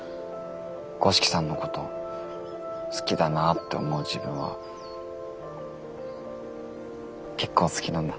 五色さんのこと好きだなって思う自分は結構好きなんだ。